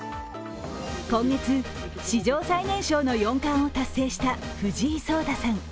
今月、史上最年少の四冠を達成した藤井聡太さん。